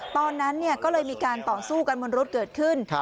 ตอนนั้นก็เลยมีการต่อสู้กันบนรถเกิดขึ้น